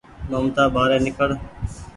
ممتآ ٻآري نيکڙ